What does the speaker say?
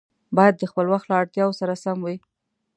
باید د خپل وخت له اړتیاوو سره سم وي.